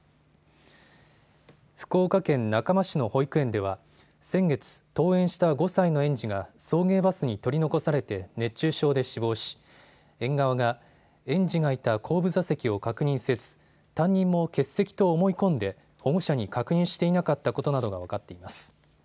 福岡県中間市の保育園では、先月、登園した５歳の園児が送迎バスに取り残されて熱中症で死亡し、園側が園児がいた後部座席を確認せず、担任も欠席と思い込んで、保護者に確認していなかったことなどが分かっています。